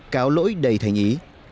cáo lỗi đầy thành ý